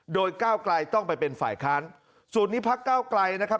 โดยก้าวไกลต้องไปเป็นฝ่ายค้านส่วนนี้พักเก้าไกลนะครับ